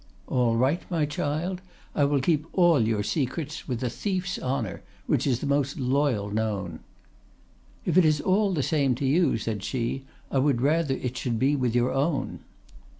"'All right, my child; I will keep all your secrets with a thief's honor, which is the most loyal known.' "'If it is all the same to you,' said she, 'I would rather it should be with your own.